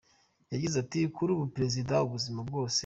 Yagize ati “Kuri ubu ni Perezida ubuzima bwose.